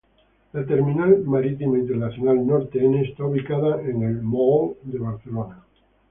La Terminal marítima internacional Norte N está ubicada en el Moll de Barcelona.